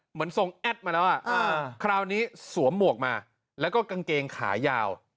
เหมือนทรงแอดมาแล้วคราวนี้สวมหมวกมาแล้วก็กางเกงขายาว